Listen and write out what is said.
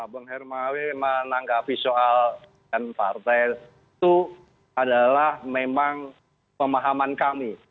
bang hermawi menanggapi soal dan partai itu adalah memang pemahaman kami